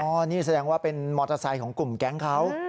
นี่แสดงว่าเป็นมอเตอร์ไซค์ของกลุ่มแก๊งเขา